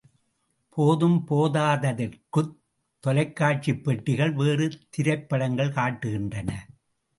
போதும் போதாதற்குத் தொலைக் காட்சிப் பெட்டிகள் வேறு திரைப்படங்கள் காட்டுகின்றன!